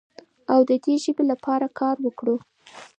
او د دې ژبې لپاره کار وکړو.